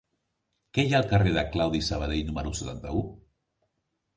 Què hi ha al carrer de Claudi Sabadell número setanta-u?